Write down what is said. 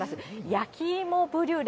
焼き芋ブリュレ